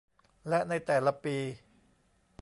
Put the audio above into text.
และในแต่ละปี